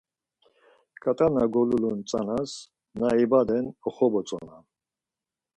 ǩat̆a golulun tzanas na ibaden oxobotzonam.